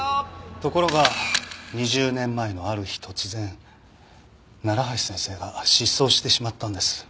ところが２０年前のある日突然楢橋先生が失踪してしまったんです。